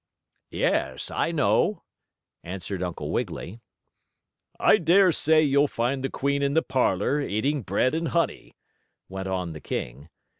"Yes, I know," answered Uncle Wiggily. "I dare say you'll find the queen in the parlor eating bread and honey," went on the king.